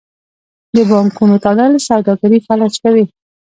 د بانکونو تړل سوداګري فلج کوي.